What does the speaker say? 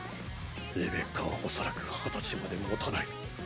レベッカは恐らく二十歳まで持たない